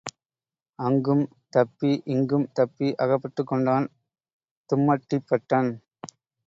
அங்கும் தப்பி இங்கும் தப்பி அகப்பட்டுக் கொண்டான் தும்மட்டிப்பட்டன்.